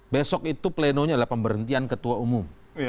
besok itu plenonya adalah pemberhentian ketua umum